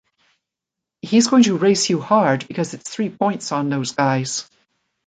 He’s going to race you hard because it’s three points on those guys.